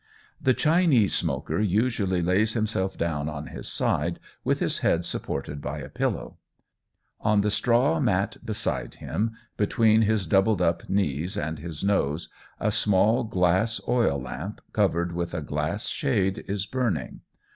The Chinese smoker usually lays himself down on his side, with his head supported by a pillow. On the straw mat beside him, between his doubled up knees and his nose, a small glass oil lamp, covered with a glass shade, is burning.